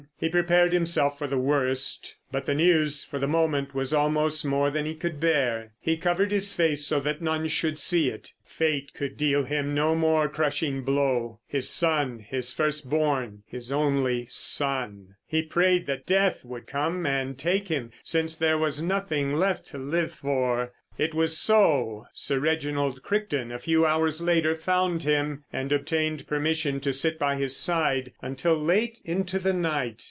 He prepared himself for the worst, but the news for the moment was almost more than he could bear. He covered his face, so that none should see it. Fate could deal him no more crushing blow. His son—his first born—his only son! He prayed that death would come and take him, since there was nothing left to live for. It was so Sir Reginald Crichton a few hours later found him and obtained permission to sit by his side until late into the night.